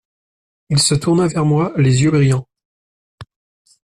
Il se tourna vers moi, les yeux brillants.